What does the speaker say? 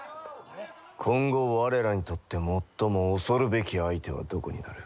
今後我らにとって最も恐るべき相手はどこになる？